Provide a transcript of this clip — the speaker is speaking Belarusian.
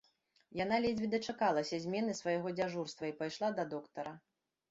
Яна ледзьве дачакалася змены свайго дзяжурства і пайшла да доктара.